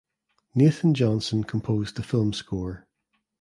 Nathan Johnson composed the film score.